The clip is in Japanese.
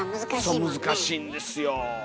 そう難しいんですよ。